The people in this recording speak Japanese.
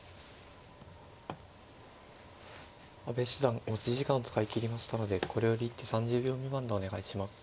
阿部七段持ち時間を使い切りましたのでこれより一手３０秒未満でお願いします。